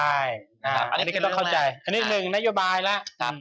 อันนี้ก็ต้องเข้าใจอันนี้หนึ่งนโยบายแล้ว